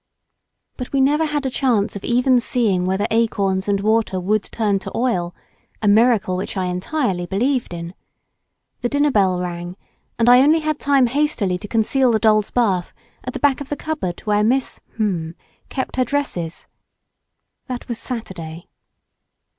But we never had a chance of even seeing whether acorns and water would turn to oil—a miracle which I entirely believed in. The dinner bell rang, and I only had time hastily to conceal the doll's bath at the back of the cupboard where Miss —— kept her dresses. That was Saturday.